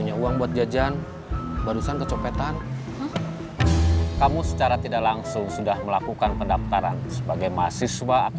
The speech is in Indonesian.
air hotshot udah kabur ya fairbit